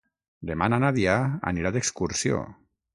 Demà na Nàdia anirà d'excursió.